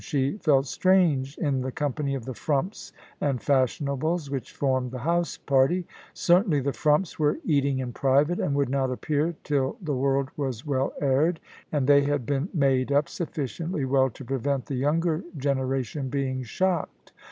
She felt strange in the company of the frumps and fashionables which formed the house party. Certainly the frumps were eating in private, and would not appear till the world was well aired, and they had been "made up" sufficiently well to prevent the younger generation being shocked.